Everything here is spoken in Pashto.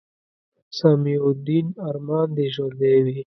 سمیع الدین ارمان دې ژوندے وي